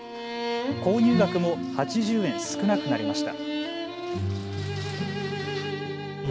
購入額も８０円少なくなりました。